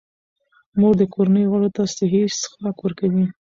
مور د کورنۍ غړو ته صحي څښاک ورکوي.